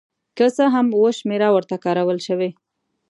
که څه هم اوه شمېره ورته کارول شوې.